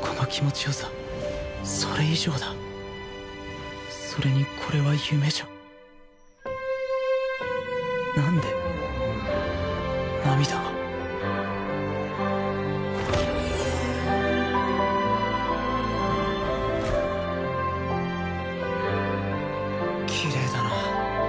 この気持ちよさそれ以上だそれにこれは夢じゃ何で涙がキレイだなあ